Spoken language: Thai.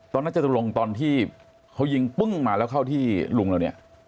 ตอนนั้นเจ้าตุรงค์ตอนที่เขายิงปึ้งมาแล้วเข้าที่รุงแล้วเนี่ย